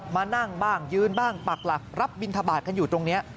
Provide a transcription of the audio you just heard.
มานั่งบ้างยืนบ้างปักหลักรับบินทบาทกันอยู่ตรงนี้